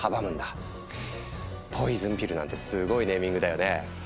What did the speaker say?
ポイズンピルなんてすごいネーミングだよね。